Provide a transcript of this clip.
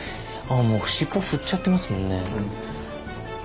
あっもう尻尾振っちゃってますもんね。